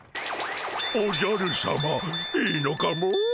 おじゃるさまいいのかモ？